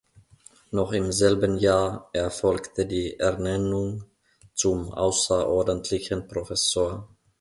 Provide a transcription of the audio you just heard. Noch im selben Jahr erfolgte die Ernennung zum Außerordentlichen Professor.